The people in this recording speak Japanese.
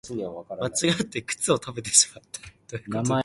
間違って靴を食べてしまった